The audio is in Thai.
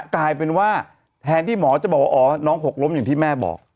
กลายเป็นว่าแทนที่หมอจะบอกว่าอ๋อน้องหกล้มอย่างที่แม่บอก